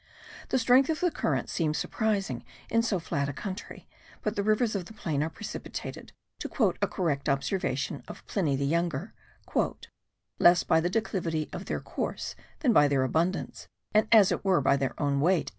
The strength of the current seems surprising in so flat a country; but the rivers of the plains are precipitated, to quote a correct observation of Pliny the younger,* "less by the declivity of their course than by their abundance, and as it were by their own weight."